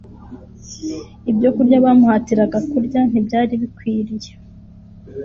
Ibyokurya bamuhatiraga kurya ntibyari bikwiriye